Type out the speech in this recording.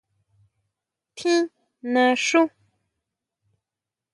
¿Tjín naxú?